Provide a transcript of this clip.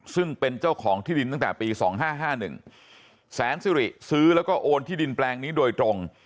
ซึ่งเป็นเจ้าของที่ดินตั้งแต่ปี๒๕๕๑แสนสิริซื้อแล้วก็โอนที่ดินแปลงนี้โดยตรง